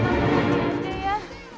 terima kasih ya